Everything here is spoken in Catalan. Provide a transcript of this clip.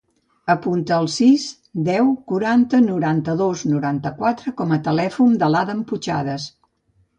Apunta el sis, deu, quaranta, noranta-dos, noranta-quatre com a telèfon de l'Adam Puchades.